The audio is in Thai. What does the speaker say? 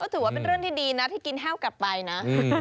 ถือว่าเป็นเรื่องที่ดีนะที่กินแห้วกลับไปนะ